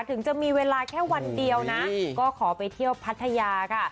ถึงจะมีเวลาแค่วันเดียวนะก็ขอไปเที่ยวพัทยาค่ะ